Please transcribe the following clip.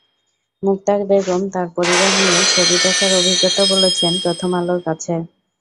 মুক্তা বেগম তাঁর পরিবার নিয়ে ছবি দেখার অভিজ্ঞতা বলেছেন প্রথম আলোর কাছে।